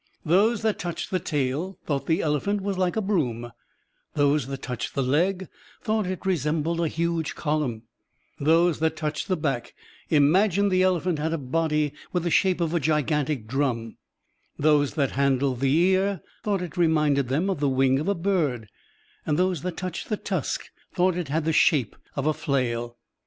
Those that touched the tail thotight the ele phant was like a broom ; those that touched the leg thought it resembled a huge colunm; those that touched the back imagined the elephant had a body with the shape of a gigantic drum; those that handled the ear thought it reminded them of the wing of a bird; those that touched the tusk thought it had the shape of a flail.